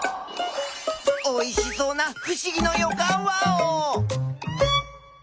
おいしそうなふしぎのよかんワオ！